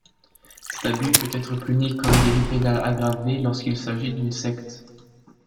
Cet abus peut être puni comme délit pénal aggravé lorsqu'il s'agit d'une secte.